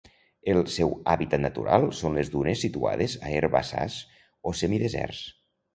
El seu hàbitat natural són les dunes situades a herbassars o semideserts.